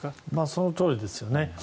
そのとおりですよね。